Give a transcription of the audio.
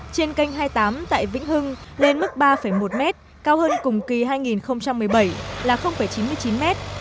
trên kênh hai mươi tám tại vĩnh hưng lên mức ba một mét cao hơn cùng kỳ hai nghìn một mươi bảy là chín mươi chín mét